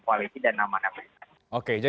koalisi dan nama nama